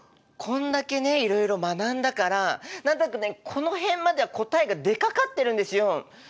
こんだけねいろいろ学んだから何となくねこの辺までは答えが出かかってるんですよ。